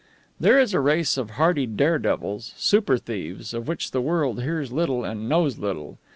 There is a race of hardy dare devils super thieves of which the world hears little and knows little.